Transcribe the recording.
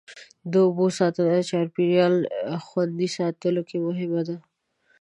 د اوبو ساتنه د چاپېریال خوندي ساتلو کې مهمه ده.